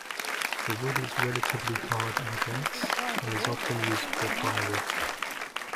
The wood is relatively hard and dense, and is often used for firewood.